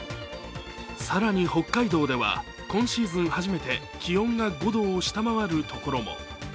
更に北海道では今シーズン初めて気温が５度を下回るところも。